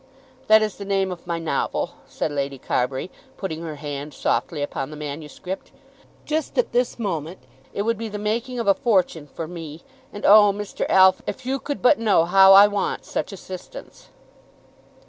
"That is the name of my novel," said Lady Carbury, putting her hand softly upon the manuscript. "Just at this moment it would be the making of a fortune for me! And, oh, Mr. Alf, if you could but know how I want such assistance!"